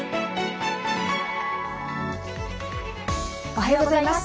おはようございます。